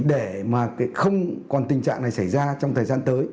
để mà không còn tình trạng này xảy ra trong thời gian tới